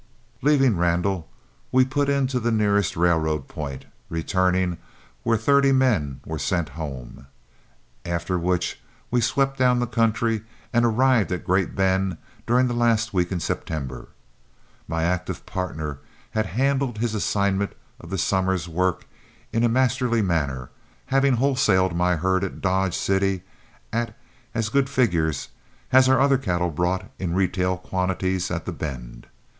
Leaving Randall, we put in to the nearest railroad point returning, where thirty men were sent home, after which we swept down the country and arrived at Great Bend during the last week in September. My active partner had handled his assignment of the summer's work in a masterly manner, having wholesaled my herd at Dodge City at as good figures as our other cattle brought in retail quantities at The Bend.